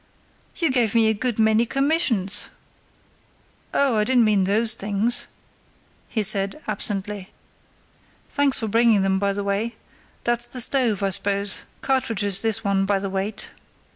"You gave me a good many commissions!" "Oh, I didn't mean those things," he said, absently. "Thanks for bringing them, by the way. That's the stove, I suppose; cartridges, this one, by the weight.